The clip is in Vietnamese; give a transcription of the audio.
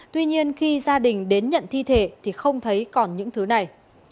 tuy nhiên khi gia đình đến nhận thi thể thì không thấy còn những thứ này